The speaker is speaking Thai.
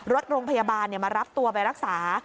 รถโรงพยาบาลมารับตัวไปรักษา